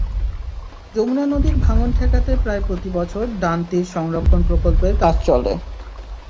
যমুনা নদীর ভাঙন ঠেকাতে প্রায় প্রতিবছর ডান তীর সংরক্ষণ প্রকল্পের কাজ চলে।